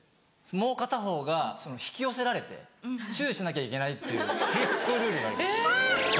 もう片方が引き寄せられてチュしなきゃいけないというルールがあります。